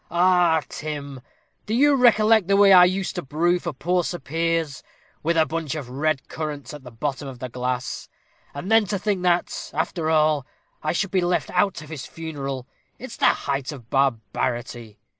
"Ah, Tim, do you recollect the way I used to brew for poor Sir Piers, with a bunch of red currants at the bottom of the glass? And then to think that, after all, I should be left out of his funeral it's the height of barbarity.